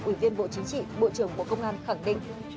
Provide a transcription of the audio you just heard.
ủy viên bộ chính trị bộ trưởng bộ công an khẳng định